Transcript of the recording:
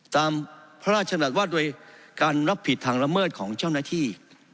ตามพระราชดำรัฐว่าโดยการรับผิดทางละเมิดของเจ้าหน้าที่